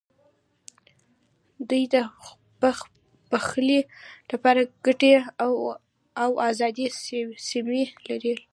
دوی د پخلی لپاره غټې او اوږدې څیمڅۍ لرلې.